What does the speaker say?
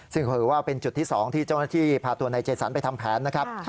ซึ่งถือว่าเป็นจุดที่๒ที่เจ้าหน้าที่พาตัวนายเจสันไปทำแผนนะครับ